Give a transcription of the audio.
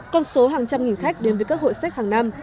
con số hàng trăm nghìn khách đến với các hội sách hàng năm